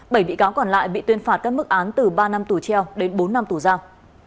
bảy bị cáo còn lại bị tuyên phạt các mức án từ ba năm tù treo đến bốn năm tù giam